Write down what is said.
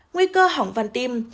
nguy cơ hỏng văn tim